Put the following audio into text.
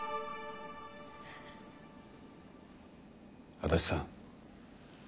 足達さん。